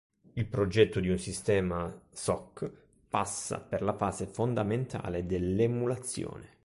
Il progetto di un sistema SoC passa per la fase fondamentale dell'emulazione.